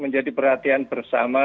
menjadi perhatian bersama